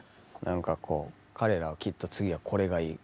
何かこう彼らはきっと次はこれがいい